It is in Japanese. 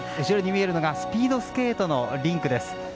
後ろに見えるのがスピードスケートのリンクです。